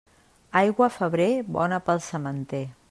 Aigua a febrer, bona pel sementer.